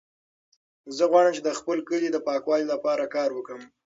زه غواړم چې د خپل کلي د پاکوالي لپاره کار وکړم.